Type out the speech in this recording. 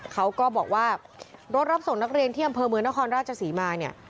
เขาก็บอกว่ารถรับส่งนักเรียนที่อำเภอเมืองนครราชศรีมาเนี่ย